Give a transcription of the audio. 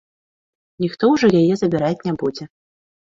Ніхто ўжо яе забіраць не будзе.